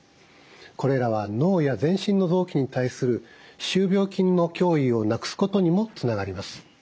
これらは脳や全身の臓器に対する歯周病菌の脅威をなくすことにもつながります。